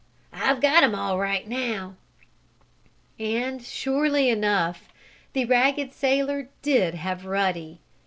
I've got him all right now!" And, surely enough, the ragged sailor did have Ruddy.